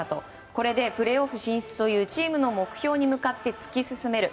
これで、プレーオフ進出というチームの目標に向かってつき進める。